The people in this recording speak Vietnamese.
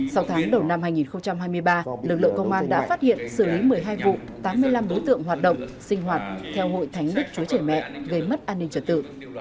sau tháng đầu năm hai nghìn hai mươi ba lực lượng công an đã phát hiện xử lý một mươi hai vụ tám mươi năm đối tượng hoạt động sinh hoạt theo hội thánh đức chúa trẻ mẹ gây mất an ninh trật tự